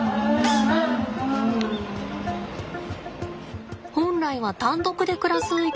本来は単独で暮らす生き物なんだって。